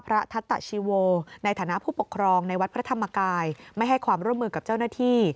ทัตตชีโวในฐานะผู้ปกครองในวัดพระธรรมกายไม่ให้ความร่วมมือกับเจ้าหน้าที่